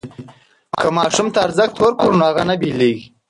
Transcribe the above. که ماشوم ته ارزښت ورکړو نو هغه نه بېلېږي.